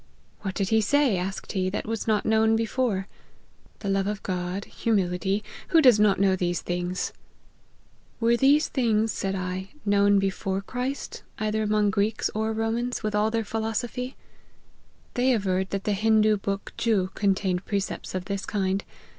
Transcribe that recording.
' What did he say,' asked he, ' that was not known before : the love of God, humility, who does not know these things ?'* Were these things,' said I, ' known before Christ, either among Greeks or Romans, with all their philosophy ?' They averred that the Hindoo book Juh contained precepts of this kind.